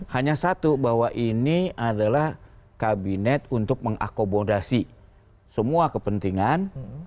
hanya satu bahwa ini adalah kabinet untuk mengakomodasi semua kepentingan